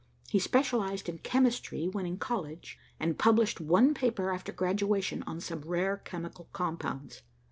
He specialized in chemistry when in college, and published one paper after graduation on some rare chemical compounds.